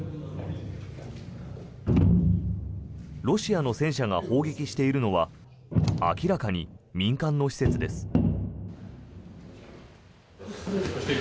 ロシアの戦車が砲撃しているのは明らかに民間の施設です。